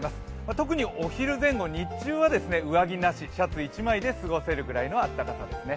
特にお昼前後、日中は上着なしシャツ１枚で過ごせるほどの暖かさですね。